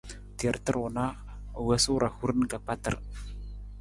Terata ruu na, u wosu ra hurin ka kpatar.